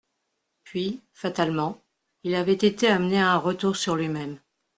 Puis, fatalement, il avait été amené à un retour sur lui-même.